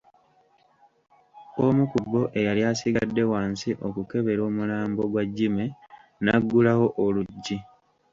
Omu ku bo eyali asigadde wansi okukebera omulambo gwa Jimmy n'aggulawo oluggi.